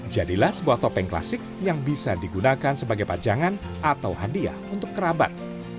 jadilah sebuah topeng klasik yang bisa digunakan sebagai pajangan atau hadiah untuk kerabat